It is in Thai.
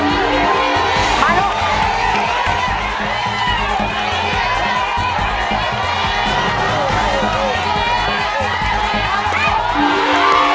ไปหนู